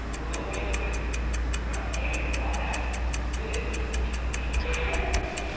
わかめ巻きってあんま聞いたことない。